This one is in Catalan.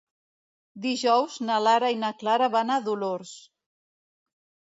Dijous na Lara i na Clara van a Dolors.